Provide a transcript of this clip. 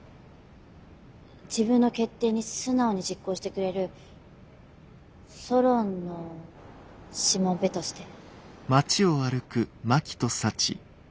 自分の決定に素直に実行してくれるソロンのしもべとして。